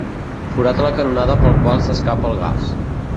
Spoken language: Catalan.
Forat a la canonada pel qual s'escapa el gas.